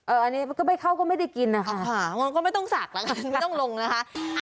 อันนี้ก็ไม่เข้าก็ไม่ได้กินนะคะก็ไม่ต้องศักดิ์แล้วกันไม่ต้องลงนะคะ